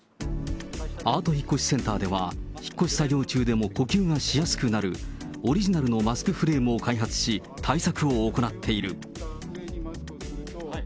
アート引越センターでは、引っ越し作業中でも呼吸がしやすくなる、オリジナルのマスクフレームを開発し、対策を行っている。